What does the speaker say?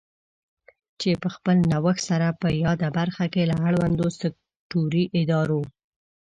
چې په خپل نوښت سره په یاده برخه کې له اړوندو سکټوري ادارو